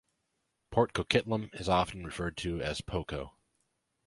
Port Coquitlam is often referred to as PoCo.